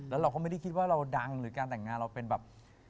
แล้วเราก็ไม่ได้คิดว่าเราดังหรือการแต่งงานเราเป็นแบบ